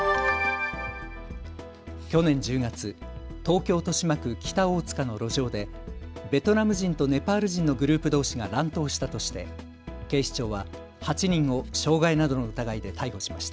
去年１０月、東京豊島区北大塚の路上でベトナム人とネパール人のグループどうしが乱闘したとして警視庁は８人を傷害などの疑いで逮捕しました。